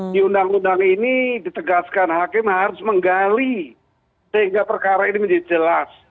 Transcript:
di undang undang ini ditegaskan hakim harus menggali sehingga perkara ini menjadi jelas